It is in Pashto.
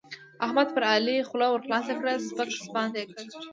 احمد پر علي خوله ورخلاصه کړه؛ سپک سپاند يې کړ.